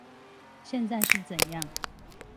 現在是怎樣